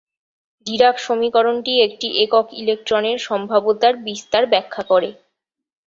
Dirac সমীকরণটি একটি "একক" ইলেকট্রনের সম্ভাব্যতার বিস্তার ব্যাখ্যা করে।